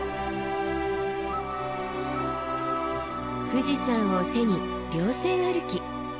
富士山を背に稜線歩き。